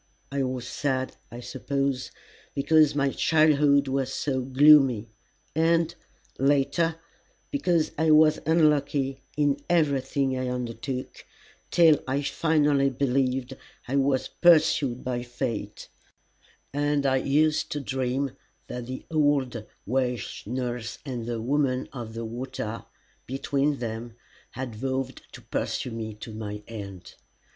I was sad, I suppose, because my childhood was so gloomy, and, later, because I was unlucky in everything I undertook, till I finally believed I was pursued by fate, and I used to dream that the old Welsh nurse and the Woman of the Water between them had vowed to pursue me to my end.